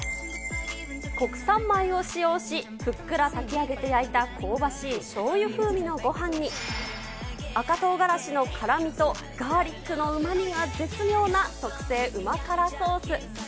国産米を使用し、ふっくら炊き上げて焼いた香ばしいしょうゆ風味のごはんに、赤とうがらしの辛みとガーリックのうまみが絶妙な特製旨辛ソース。